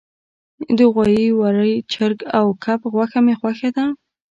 د غوایی، وری، چرګ او کب غوښه می خوښه ده